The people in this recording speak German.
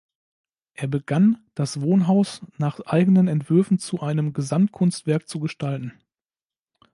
Er begann, das Wohnhaus nach eigenen Entwürfen zu einem Gesamtkunstwerk zu gestalten.